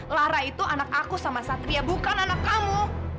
lara itu anak aku sama satria bukan anak kamu